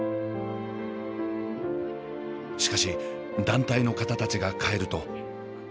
しかし団体の方たちが帰ると。